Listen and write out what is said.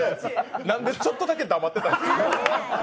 何でちょっとだけ黙ってたんですか？